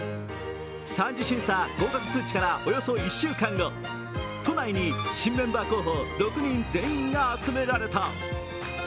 ３次審査合格通知からおよそ１週間後、都内に新メンバー候補６人全員が集められた。